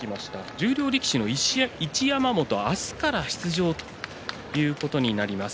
十両力士の一山本明日から出場ということになります。